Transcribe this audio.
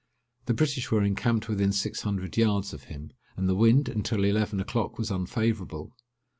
The British were encamped within six hundred yards of him; and the wind, until eleven o'clock, was unfavourable.